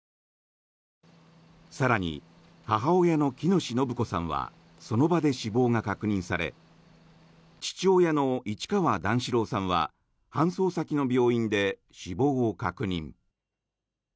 更に、母親の喜熨斗延子さんはその場で死亡が確認され父親の市川段四郎さんは搬送先の病院で死亡を確認。